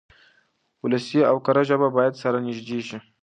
ولسي او کره ژبه بايد سره نږدې شي.